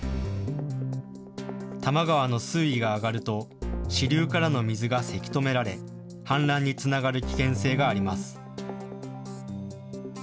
多摩川の水位が上がると支流からの水がせき止められ氾濫につながる危険性があります。